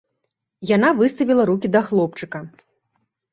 Яна выставіла рукі да хлопчыка.